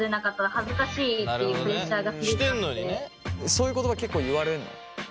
そういう言葉結構言われるの？